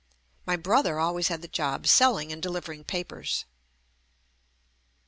My brother always had the job selling and de livering papers.